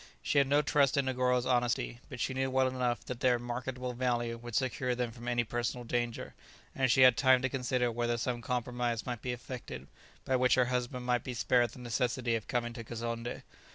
She had no trust in Negoro's honesty, but she knew well enough that their "marketable value" would secure them from any personal danger, and she had time to consider whether some compromise might be effected by which her husband might be spared the necessity of coming to Kazonndé.